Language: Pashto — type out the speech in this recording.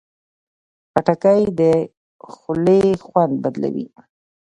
خټکی د خولې خوند بدلوي.